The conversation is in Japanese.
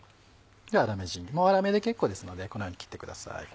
粗めで結構ですのでこのように切ってください。